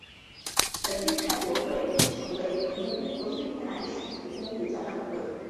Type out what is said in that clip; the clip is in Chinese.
本届菜博会亦成为国内规模最大的蔬菜专业展会。